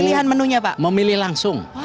nah itu juga ibu memilih langsung